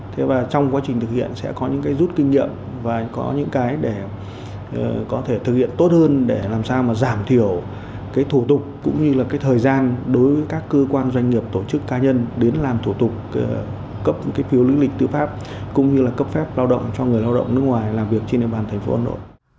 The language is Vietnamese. thế và trong quá trình thực hiện sẽ có những cái rút kinh nghiệm và có những cái để có thể thực hiện tốt hơn để làm sao mà giảm thiểu cái thủ tục cũng như là cái thời gian đối với các cơ quan doanh nghiệp tổ chức ca nhân đến làm thủ tục cấp cái phiếu lý lịch tư pháp cũng như là cấp phép lao động cho người lao động nước ngoài làm việc trên địa bàn thành phố hà nội